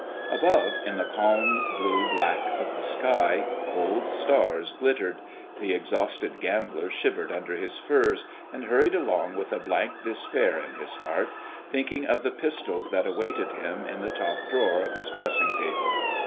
Above, in the calm blue black of the sky, cold stars glittered. The exhausted gambler shivered under his furs, and hurried along with a blank despair in his heart, thinking of the pistols that awaited him in the top drawer of his dressing table.